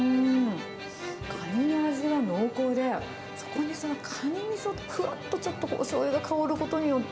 カニの味は濃厚で、そこにそのカニみそ、ふわっとちょっとしょうゆが香ることによっ